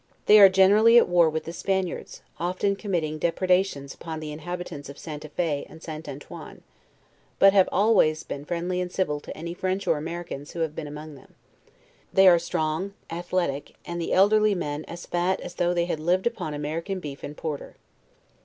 They are generally at war with the Span iards, often committing depredations upon the inhabitants of St. a Fe and St. Antoine; but have always been friendly and civil to any French or Americans who have been among them. They are strong athletic, and the elderly men as fat as though they had lived upon American beef and porter.